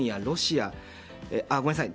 ごめんなさい。